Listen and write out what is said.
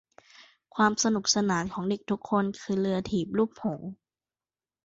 ความสนุกสนานของเด็กทุกคนคือเรือถีบรูปหงส์